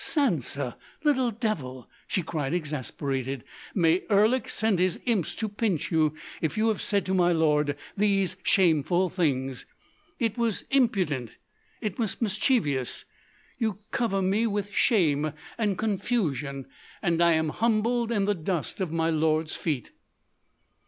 "Sansa! Little devil!" she cried, exasperated. "May Erlik send his imps to pinch you if you have said to my lord these shameful things. It was impudent! It was mischievous! You cover me with shame and confusion, and I am humbled in the dust of my lord's feet!"